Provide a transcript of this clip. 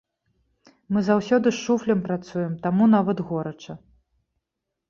Мы заўсёды з шуфлям працуем, таму нават горача.